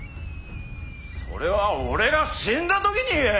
それは俺が死んだ時に言え！